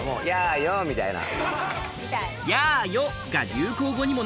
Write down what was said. みたいな。